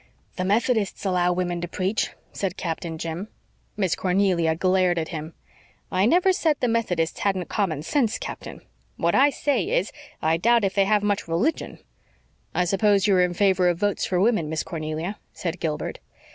"The Methodists allow women to preach," said Captain Jim. Miss Cornelia glared at him. "I never said the Methodists hadn't common sense, Captain. What I say is, I doubt if they have much religion." "I suppose you are in favor of votes for women, Miss Cornelia," said Gilbert.